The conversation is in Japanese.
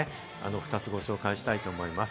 ２つご紹介したいと思います。